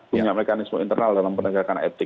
punya mekanisme internal dalam penegakan etik